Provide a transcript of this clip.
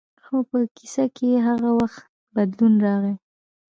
خو په دې کیسه کې هغه وخت بدلون راغی.